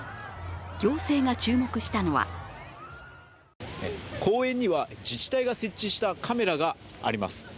行政が注目したのは公園には自治体が設置したカメラがあります